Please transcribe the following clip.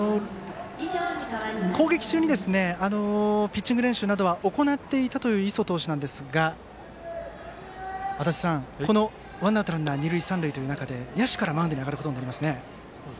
攻撃中にピッチング練習などは行っていたという磯投手ですが足達さん、ワンアウトランナー、二塁三塁という中で野手からマウンドに上がることになりましたね。